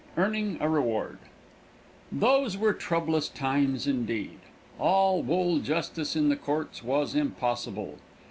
EARNING A REWARD XVI Those were troublous times indeed. All wool justice in the courts was impossible.